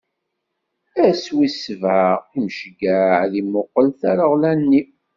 Ass wis sebɛa, Imceyyeɛ ad imuqel tareɣla-nni.